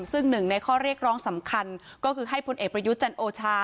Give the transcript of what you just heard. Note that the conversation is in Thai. ซึ่งหนึ่งในข้อเรียกร้องสำคัญก็คือให้พลเอกประยุทธ์จันโอชา